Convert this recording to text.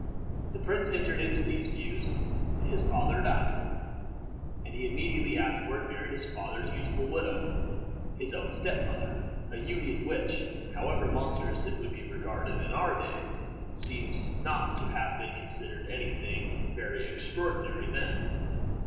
The prince entered into these views; his father died, and he immediately afterward married his father's youthful widow his own step mother a union which, however monstrous it would be regarded in our day, seems not to have been considered any thing very extraordinary then.